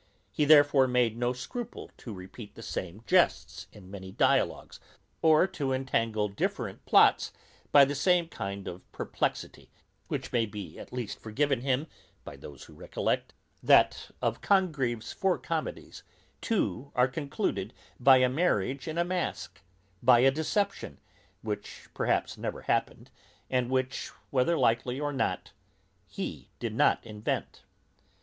He therefore made no scruple to repeat the same jests in many dialogues, or to entangle different plots by the same knot of perplexity, which may be at least forgiven him, by those who recollect, that of Congreve's four comedies, two are concluded by a marriage in a mask, by a deception, which perhaps never happened, and which, whether likely or not, he did not invent.